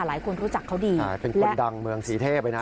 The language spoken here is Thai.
หลายคนรู้จักเขาดีใช่เป็นคนดังเมืองสีเทพเลยนะ